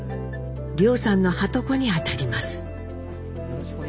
凌さんのはとこにあたります。